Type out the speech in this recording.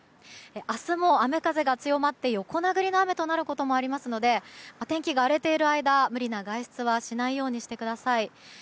明日も雨風が強まって横殴りの雨となることもありますので天気が荒れている間無理な外出はしないようにしてください。